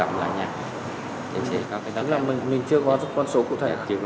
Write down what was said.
tức là mình chưa có con số cụ thể